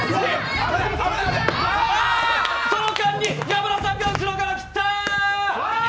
その間に山田さんが後ろから斬った！